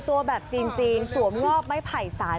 หากจีนสวมงอบไม่ไผลสาน